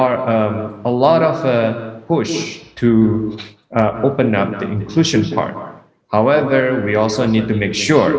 ada banyak kesempatan untuk membuka bagian inklusi namun kita juga perlu memastikan